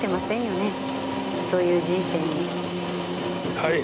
はい。